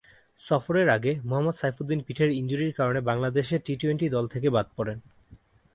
সফরের আগে, মোহাম্মদ সাইফুদ্দিন পিঠের ইনজুরির কারণে বাংলাদেশের টি-টোয়েন্টি দল থেকে বাদ পড়েন।